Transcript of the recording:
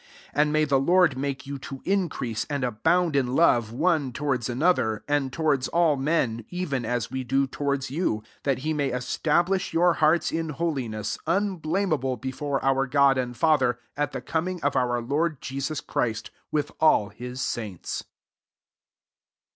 12 And may [the Lord] make you to increase and abound in love one towards an other, and towards all men^ even as we do towards you : 13 that he may establish your hearts in holiness unblameable before our God and Father, at the coming of our Lord Jesus [^ChrisQ with all his saints.